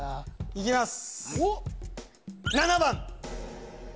いきます